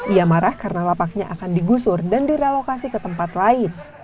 ia marah karena lapaknya akan digusur dan direlokasi ke tempat lain